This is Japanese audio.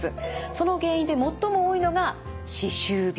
その原因で最も多いのが歯周病。